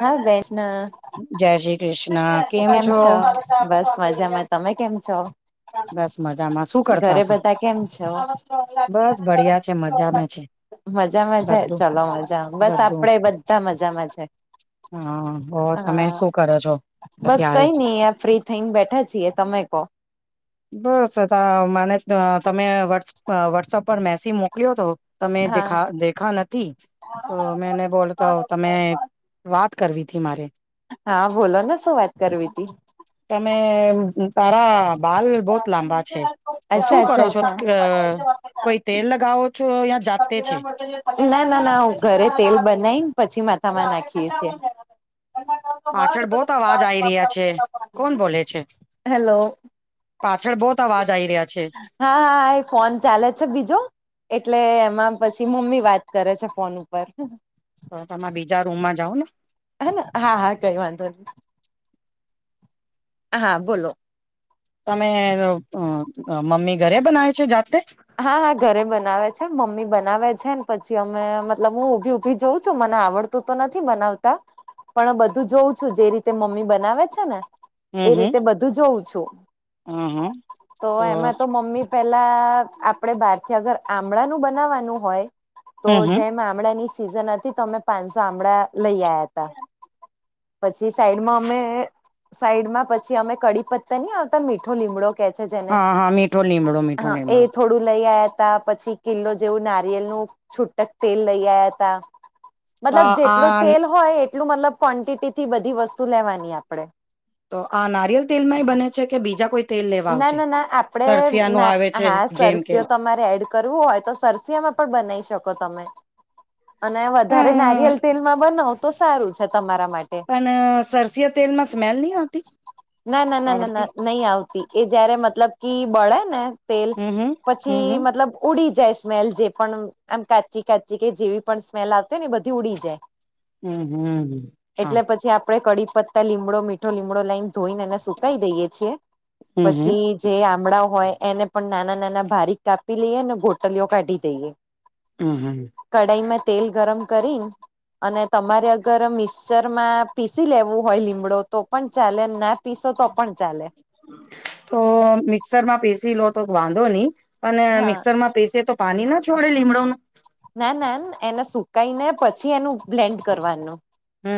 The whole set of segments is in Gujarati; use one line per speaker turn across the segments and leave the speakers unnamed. હા બેસ ના
જય શ્રી કૃષ્ણ કેમ છો
બસ મજામાં તમે કેમ છો
બસ મજામાં શું કરતા
ઘરે
હતા
બધા કેમ છો
બસ બઢિયા છે મજામાં છે
મજામાં છે
બધું
ચલો મજામાં બસ
બધું
આપડે બધા મજામાં છે
હા હો તમે
હા
શું કરો છો
બસ
અત્યારે
કઈ નઈ અ ફ્રી થઈને બેઠા છીએ તમે કો
બસ હતા મને તમે વ વોટ્સઅપ પર મેસેજ મોકલ્યો હતો તમે
હા
દેખા દેખા નથી તો મેને બોલ તો તમે વાત કરવી થી મારે
હા બોલો ને શું વાત કરવીતી
તમે તારા હલ બહત લાંબા છે તો
અચ્છા
શું કરો
અચ્છા
છો
અચ્છા
કોઈ તેલ લગાવો છો યા જાતે
આપણે
છે
જ મોટ ના ના ના હું ઘરે તેલ બનાવી પછી માથામાં નાખીએ છીએ
પાછળ બોત અવાજ આવી રહ્યા છે કોણ બોલે છે
હેલો
પાછળ બહત અવાજ આવી રહ્યા છે
હા હા ફોન ચાલે છે બીજો એટલે એમાં પછી મમ્મી વાત કરે છે ફોન ઉપર
તો તમે બીજા રૂમમાં જાઓ ને
હે હા હા કઈ વાંધો નહી હા બોલો
તમે મમ્મી ઘરે બનાવે છે જાતે
હા હા ઘરે બનાવે છે મમ્મી બનાવે છે ને પછી અમે મતલબ હું ઉભી ઉભી જોઉં છું મને આવડ તો નથી બનાવતા પણ બધું જોઉં છું જે રીતે મમ્મી બનાવે છે ને
હમ
એ
હમ
રીતે બધું જોઉં છું
હમ હમ
તો એમાં તો મમ્મી પેલા આપડે બહારથી અગર આમળાનું બનાવાનું હોય તો
હમ હમ
જેમ આમળા ની સિઝન હતી તો અમે પાંચસો આમળા લઈ આયા હતા પછી સાઈડમાં અમે સાઈડ માં પછી અમે કડી પત્તતા ની આવતા મીઠો લીમડો છે જેને
હા હા મીઠો લીમડો
હ
મીઠો
એ
લીમડો
થોડું લઈ આવ્યાતા પછી કિલ્લો જેવું નારિયેલનું છૂટક તેલ લઈ આપણે
તો
મતલબ જેટલું
આ
તેલ હોય એટલું મતલબ ક્વન્ટિટી થી બધી વસ્તુ લેવાની આપડે
તો આ નારિયલ તેલમાંય બને છે કે બીજા કોઈ તેલ લેવા
ના
આવશે
ના ના આપડે
સરસિયાનું
ના
આવે છે
હા
જેમ કે
સરસીઓ તમારે એડ કરવું હોય તો સરસિયા માં પણ બનાવી શકો તમે અને
અ
વધારે નારિયેલ તેલ માં બનાવ તો સારું છે તમારા માટે
પણ સરસિયા તેલ માં સ્મેલ નહી આવતી
ના ના ના ના
આવડતી
ના નહી આવતી એ જયારે મતલબ કે બળે ને તેલ
હમ હમ
પછી
હમ
મતલબ ઉડી જાય સ્મેલ જે પણ આમ કાચી કાચી કે જેવી પણ સ્મેલ આવતી હો ને એ બધી ઉડી જાય
હમ હમ હમ હા
એટલે પછી આપડે કડી પત્તા લીમડો મીઠો લીમડો લઈને ધોઈને એને સુકાઈ દઈએ છીએ
હમ હમ
પછી જે આંમળા હોય એને પણ નાના નાના બારીક કાપી લઈએ અને ગોટલીઓ કાઢી દઈએ
હમ હમ
કડાાઈ માં તેલ ગરમ કરીને અને તમારે અગર મિક્સચર માં પીસી લેવું હોય લીમડો તો પણ ચાલે ના પીસો તો પણ ચાલે
તો મિક્સર માં પેસી લો ગ વાંધો નહી અને
હા
મિક્સર માં પેસે તો પાણી ના છોડે લીમડો ન
ના ના એને સુકાઈ ને પછી એનું બ્લેન્ડ કરવાનું
હમ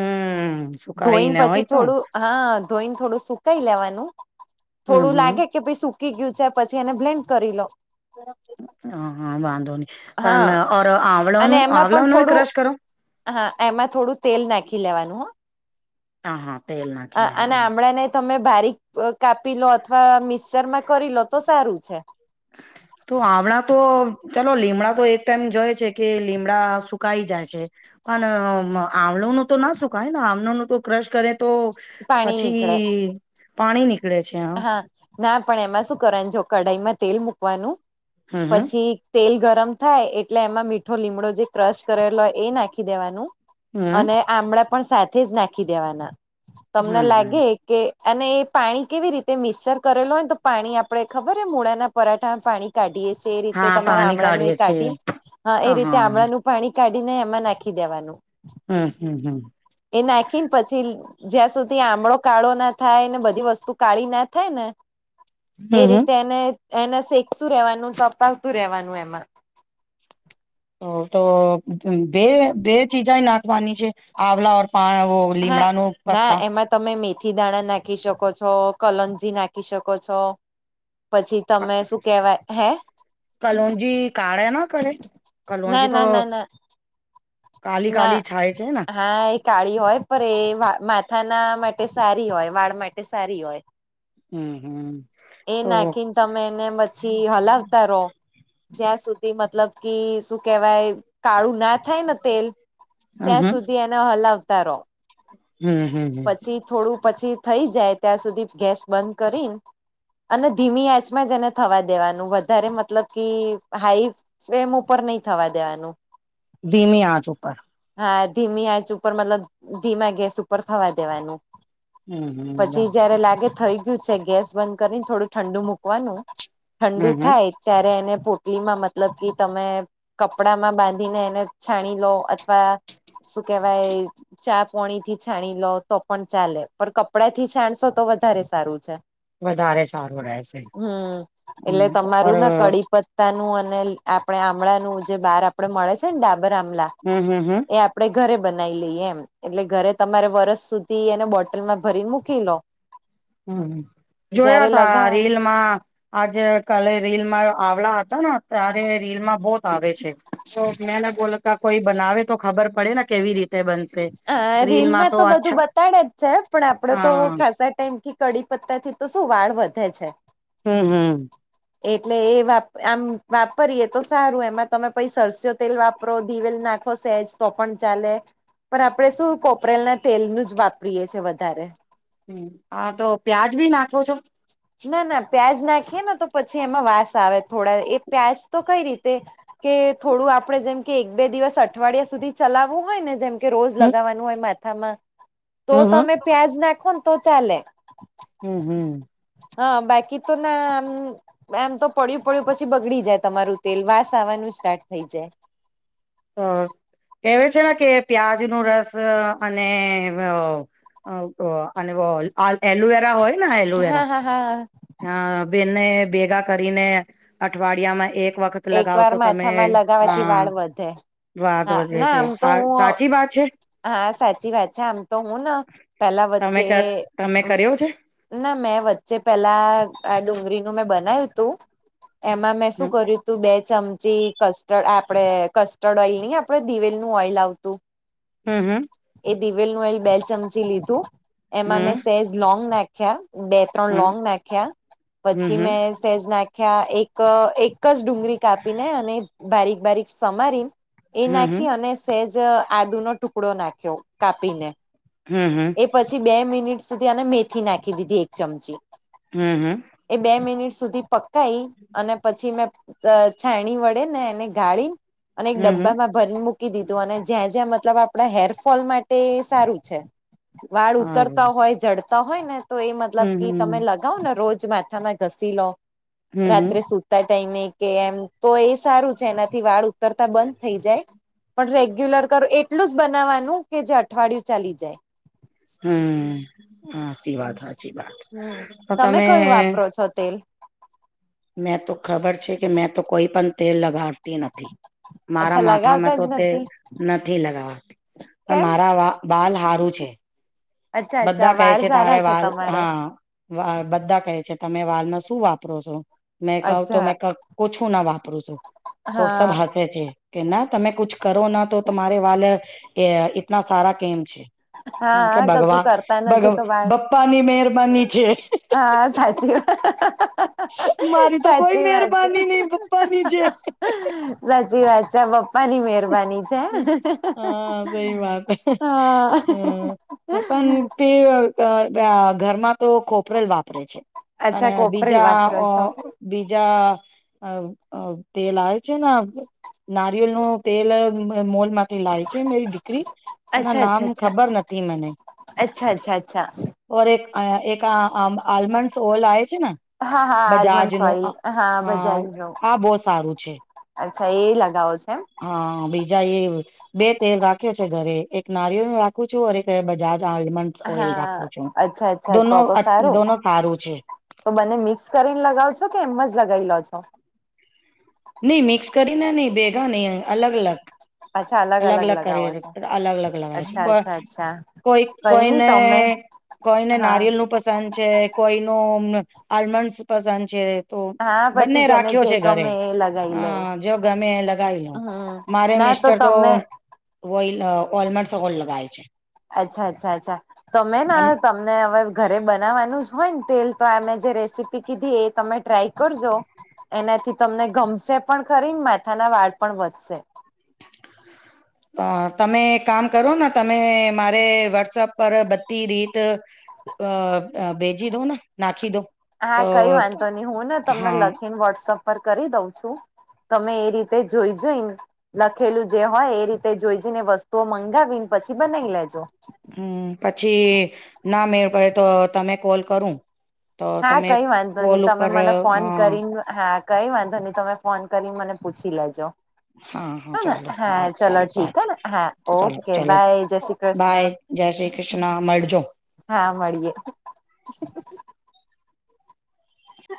હમ
ધોઈને પછી થોડું હા ધોઈને થોડું સુકાઈ લેવાનું
હમ
થોડું
હમ
લાગે કે પછ સુકી ગયું છે પછી એને બ્લેન્ડ કરી લો
હા હા વાંધંધો ન
હા
પણ ઓર
અને
આંવલાનું
એમાં પણ
આંવલાઓનો
થોડું
ક્રશ કરો
હા એમાં થોડું તેલ નાખી લેવાનું હ
હા હા તેલના
અને આમળ ને તમે બારીક કાપી લો અથવા મિક્સચર માં કરી લો તો સારું છે
તો આવમણાં તો ચાલો લીમડા તો એક ટાઈમ જોઈ છે કે લીમડા સુકાઈ જાય છે પણ આમળું નું તો ના સુકાયને આંળો ન તો ક્રશ કરે તો
પાણી
પછી
નીકળે
પાણી નીકળ
હા ના પણ એમાં શું કરવા જો કઢાઈમાં તેલ મુૂકવાનું
હમ હમ
પછી તેલ ગરમ થાય એટલે એમાં મીઠો લીમડો જે ક્રશ કરેલો હોય એ નાખી દેવાનું
હમ
અને આમળા પણ સાથે જ નાખી દેવાના તમને
હમ હમ
લાગે કે અને એ પાણી કેવી રીતે તે મિક્સર કરેલો હોય તો પાણી આપડે ખબર મૂળાના પરાઠામાં પાણી કાઢીએે એ રીતે
હા
તમારે
પાણી
આમળાનું એ
કાઢીએ છે
કાઢીને એ રીતે
હા
આમળાનું પાણી કાઢી ને એમાં નાખી દેવાનું
હમ્મ
એ નાખીને પછી જ્યાં સુધી આમળો કાળો ના થાય ને બધી વસ્તુ કાળી ના થાય ને એ
હમ હમ
રીતે એને એને શેકતું રેવાનું ચપાવતું રેવાનું એમાં
તો તો બે બે ચીજા નાખવાની છે આંવલા પાહો
હા
લીમડા ન
ના
પત્તા
એમાં તમે મેથી દાણા નાખી શકો છો કલંજી નાખી શકો છો. પછી તમે શું કેવાય હે
કલોજી કારળ એ ના પડે
ના ના ના ના
કાલી
ના
કાલી છાય છે ને
હા એક કાળી હોય પણ એ માથાના માટે સારી હોય વાળ માટે સારી હોય
હમ્મ હમ્મ
એ
તો
નાખીને તમે એને પછી હલાવતા રહો જ્યાં સુધી મતલબ શું કેવાય કાળું ના થાય ને તેલ ત્યાં સુધી ન હલતા રરો
હમ્મ હમ્મ
થોડું પછી થઈ જાય ત્યાં સુધી ગેસ બંધ કરી અને ધીમી આંચ જ એને થવા દેવાનું વધારે મતલબ કે હાઈ ફ્લેમ ઉપર નહી થવા દેવાનું.
ધીમી આંચ ઉપર.
હા ધીમી આંચ ઉપર મતલબ ધીમા ગેસ ઉપર થવા દેવાનું.
હમ હમ
પછી જયારે લાગે થઈ ગયું છે ગેસ બંધ કરીને થોડું ઠંડુ મૂકવાનું. ઠંડુ
હમ હમ
થાય ત્યારે એને પોટલીમાં મતલબ કે તમે કપડા માં બાંધીને એને છાણી લો આ શું કેવાય ચા પોણી થી છાણી લો તો પણ ચાલે પણ કપડા થી છાણશો તો વધારે સારું છે.
વધારે સારું રહેશે
હમ એટલે
હમ ઓર
તમારું ના કડીપ [inaudible] નું અને આપણે આમળાનું જે બહાર આપડે મળે છે ને ડાબર આમળા.
હમ્મ હમ્મ હમ્મ
એ આપડે ઘરે બનાઈ લઈએ એમ. એટલે ઘરે તમારે વરસ સુધી એને બોટલમાં ભરીને મૂકી લો
હમ જોયા
જયારે
તા
લગાવવાનું
રીલમાં આજે કાલે રીલમાં આવલા હતા ને ત્યારે રીલમાં બહ ભાવે છે તો મેને બોલતા કોઈ બનાવે તો ખબર પડે ને કેવી રીતે બન
હા રીલમાં તો બધું બતાડે જ છે પણ આપડે તો
હા
ખાસા ટાઈમથી કડીપત્તા થી તો શું વાળ વધે છે.
હમ હમ.
એટલે એ વાપ આમ વાપરીએ તો સારું એમાં તમે પૈસા સ્યો તેલ વાપરો દીવેલ નાખો સહેજ તો પણ ચાલે. પણ આપણે શું કોપરેલ ના તેલનું જ વાપરીએ છે વધારે.
હ હા તો પ્યાજ ભી નાખો છો.
ના ના પ્યાજ નાખીએ ને તો પછી એમાં વાસ આવે થોડા એ પ્યાજ તો કઈ રીતે કે થોડું આપડે જેમ કે એક બે દિવસ અઠવાડિયા સુધી ચલાવવું હોય ને જેમ કે રોજ
હમ
લગાવાનું હોય માથામાં તો
હમ
તમે પ્યાજ નાખો ને તો ચાલે.
હમ હમ
હા બાકી તો ના આમ એમ તો પડય્યું પડય્યું પછી બગડી જાય તમારું તેલ વાસ આવવાનું સ્ટાર્ટ થઈ જાય.
કહેવાય છે ને કે પ્યાજ નો રસ અને અં આ એલોવેરા હોયને
હા
એલોવેરા.
હા હા
હા બેને ભેગા કરીને અઠવાડિયામાં એક વખત
એક
લગાવ
વાર
તો તમે
માથામાં લગાવાથી
હા
વાળ વધે.
વાત
હા
વધે
ના
છે
આમ તો
સા
હું
સાચી બા છે.
હા સાચી વાત છે આમ તો હું ન પેલા
તમે
વચ્ચે
કર તમે કર્યો છે
ના મેં વચ્ચે પેલા આ ડુંગળીનું મેં બનાય્યું હતું એમાં મેં શું
હમ
કર્યું તું બે ચમચી કસ્ટર્ડ આપડે કસ્ટર્ડ ઓઇલ નહી આપડે દિવેલ નું ઓઈલ આવતું
હમ હમ
એ દિવેલ નું ઓઇલ બે ચમચી લીધું એમાં મેં
હમ
સહેજ લોંગ નાખ્યા બે ત્રણ
હમ
લોંગ નાખ્યા પછી
હમ
મેં સહેજ નાખ્યા એક એ ક જ ડુંગળી કાપીને અને બારીક બારીક સમારીને
હમ
એ
હમ
નાખી અને સહેજ આદુ નો ટુકડો નાખ્યો કાપીને.
હમ હમ
એ પછી બે મિનિટ સુધી આને મેથી નાખી દીધી એક ચમચી
હમ હમ
એ બે મિનિટ સુધી પકાય અને પછી મેં છાયણી વડે ને એને ગાળી અને એક
હમ હમ
ડબ્બામાં ભરીને મૂકી દીધું અને જ્યાં જ્યાં મતલબ આપણા હેરફોલ માટે સારું છે. વાળ ઉતરતા
સારું
હોય જડતા હોય ને તો એ મતલબ
હમ
કે તમે
હમ
લગ ગાઓ ને રોજ માથામાં ઘસી લો
હમ હમ
રાત્રે સુતા ટાઈમે કે એમ તો એ સારું છે એનાથી વાળ ઉતરતા બંધ થઈ જાય. પણ રેગ્યુલર કર એટલું જ બનાવાનું કે જે અઠવાડિયું ચાલી જાય
હમ હાચી વાત હાચી વાત
હમ તમે કયું વાપરો છો તેલ
મેં તો ખબર છે કે મેં તો કોઈ પણ તેલ લગાવતી નથી મારા
અચ્છા
માથામાં
લગાવતા
તો
જ
તેલ
નથી
નથી લગાવાતી પણ
કેમ
મારા વા બાલ હારું છે
અચ્છા અચ્છા
બધા કહે
વાળ
છે
સારા
તારે વાલ
તમારે
હા વા બધા કહે છે તમે વાલ નો શું વાપરો છો મેં કહ તો
અચ્છા
મેં કોછું ના વાપરું છું તો સબ
હા
હશે છે કે ના તમે કુછ કરો ના તો તમારે વાલ ઈતના સારા કેમ છે
હા કસું કર
બગ બપ્પા ની મહેરબાની છે
હા સાચી
મારી તો કોઈ
સાચી વાત છે
મહેરબાની નહી પપ્પાની છે.
સાચી વાત ચ પપ્પા ની મરબાની છે હ
હ પણ તે ઘરમાં તો ખોપરેલ વાપરે છે
અચ્છા
અને
કોપરેલ
બીજા
વાપરો
અ
છો
બીજા અ અ તેલ આવે છે ને નારિયેલ નું તેલ મોલમાં થી લાય છે મેરી દીકરી એના
અચ્છા
નામ
અચ્છા અચ્છા
ખબર નથી મને
અચ્છા અચ્છા અચ્છા
ઓર એક એક આ આલ્મંડ ઓઇલ આવે છે ને
હા હા આલ્મંડ
બજાજનું
સોઈલ હા બજાજ નો
આ બહુ સારું છે.
અચ્છા એ લગાવો છે, એમ.
હા બીજા એ બે તેલ રાખ્યો છે, ઘરે એક નારિયળ ન રાખું છું, અરે બજાજ આલમંડ. ઓલ રાખું
હા
છું
અચ્છા અચ્છા
દોનો
તો તો સારું
દોનો સારું છે.
તો બને મિક્સ કરીને લગાવશો કે એમ જ લગાવી લો છો.
નઈ મિક્સ કરીને નઈ ભેગા નહી અલગ અલગ.
અચ્છા
અલગ અલગ કરી
લગાવો છો
અલગ અલગ લગય છે,
અચ્છા
કો
અચ્છા અચ્છા
કોઈ
કઈ નઈ
કોઈને.
તમે
કોઈને
હા
નારિયલ નું પસંદ છે, કોઈ ન આલમંડસ પસંદ છે. તો
હા પછી
બંને
જેને
રાખ્યો
જે
છે, ઘરે
ગમે એ લગાઈ લે
હ જો ગમે લગી લો
હમ
મારે
ના
મિસ્ટર. તો
તમે
ઓ ઓલમંડ સગડ લગાય છે.
અચ્છા અચ્છા અચ્છા
આમ
[unintelligible] [unintelligible] હવે ઘરે બનાવવાનું જ હોય ને તેલ તો આમે જે રેસીપી કીધી એ તમે ટ્રાય કરજો. એનાથી તમને ગમસે પણ ખરી ને માથાના વાળ પણ વધશે.
[unintelligible] તમે એક કામ કરો ને તમે મારે [unintelligible] પર બધી રીત. અ બેજી દો ને નાખી દો.
હા
તો
કઈ વાંધો નહી હું ને તમને
હા
લખીને [unintelligible] પર કરી દઉં છું. તમે એ રીતે જોઈ જોય ને. લખેલું જે હોય એ રીતે જોઈ જને વસ્તુઓ મંગાવીને પછી બનાવી લેજો.
હમ પછી ના મેળ પડે તો તમે કોલ કરું. તો
હા
તમે
કઈ વાંધો
કોલ
નહી તમે
ઉપર અ
મને ફોન કરી હા કઈ વાંધો નહી તમે ફોન કરી મને પૂછી લેજો.
હા હા
હે
ચાલો
હા ચલો
સારું
ઠીક
સારું
હ હા
ચલો
ઓકે
ચલો
બાય જય શ્રી
બાય
કૃષ્ણ.
જય શ્રી કૃષ્ણ મરજો.
હા મળીએે. [inaudible]